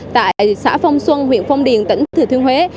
tại xã phong xuân huyện phong điền tỉnh thứ thuyên huế